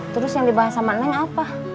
terus yang dibahas sama neng apa